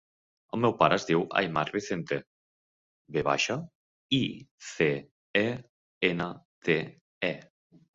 El meu pare es diu Aimar Vicente: ve baixa, i, ce, e, ena, te, e.